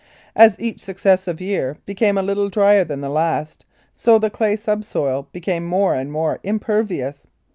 As each successive year became a little drier than the last, so the clay subsoil became more and more impervious.